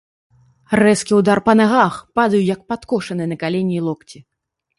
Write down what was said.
Рэзкі ўдар па нагах, падаю як падкошаны на калені і локці.